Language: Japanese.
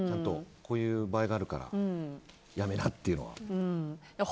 こういう場合があるからやめなっていうのは。